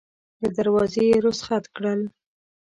له دروازې یې رخصت کړل.